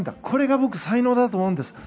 これが僕、才能だと思うんです。